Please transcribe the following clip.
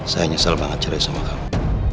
saya nyesel banget cerai sama kamu